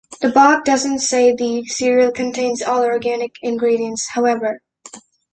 The box does not say the cereal contains all-organic ingredients, however.